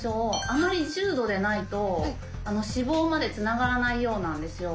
あまり重度でないと死亡までつながらないようなんですよ。